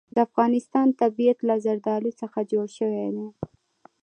د افغانستان طبیعت له زردالو څخه جوړ شوی دی.